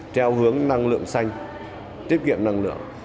treo hướng năng lượng xanh tiết kiệm năng lượng